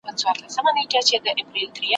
تنورونه له اسمانه را اوریږي ,